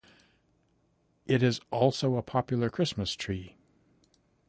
It is also a popular Christmas tree.